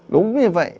đúng như vậy